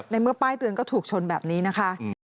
ในเมื่อป้ายเตือนก็ถูกชนแบบนี้นะคะ